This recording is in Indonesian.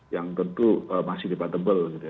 yang tentu masih debatable